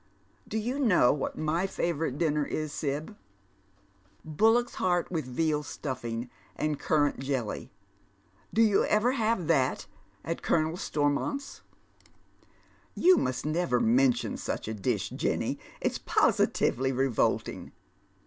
Do you knov what my favourite dinner is, Sib ? Bullock's heart with vetu stuffing and currant jelly. l>o you ever have that at Culoiia 6>i9ti»ojit'8? " TC Dead Men's Shoes. " You mnst never mention such a dish, Jenny. It's positively revolting."